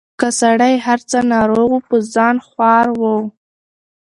که سړی هر څه ناروغ وو په ځان خوار وو